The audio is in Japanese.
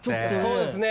そうですね